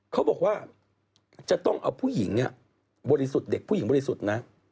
เขาบอกว่าจะต้องเอาผู้หญิงเนี่ยบริสุทธิ์เด็กผู้หญิงบริสุทธิ์นะ